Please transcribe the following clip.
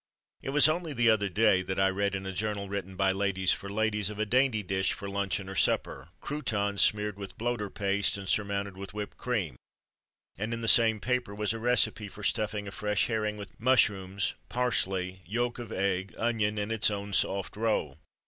It was only the other day that I read in a journal written by ladies for ladies, of a dainty dish for luncheon or supper: croûtons smeared with bloater paste and surmounted with whipped cream; and in the same paper was a recipe for stuffing a fresh herring with mushrooms, parsley, yolk of egg, onion, and its own soft roe.